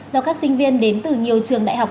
do các sinh viên đến từ nhiều trường đại học